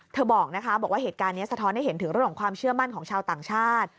บอกนะคะบอกว่าเหตุการณ์นี้สะท้อนให้เห็นถึงเรื่องของความเชื่อมั่นของชาวต่างชาติ